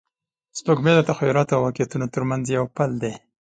سپوږمۍ د تخیلاتو او واقعیتونو تر منځ یو پل دی